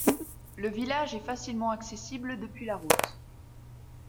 Le village est facilement accessible depuis la route.